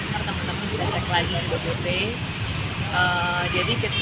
karena teman teman bisa cek lagi dari dpt